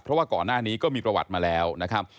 เพราะว่าก่อนหน้านี้ก็มีประวัติมาแล้วนะครับ